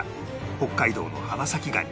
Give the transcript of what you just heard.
北海道の花咲がに